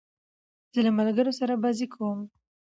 زه له ملګرو سره بازۍ کوم.